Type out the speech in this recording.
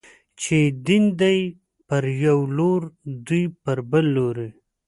چې يې دين دی، پر يو لور دوی پر بل لوري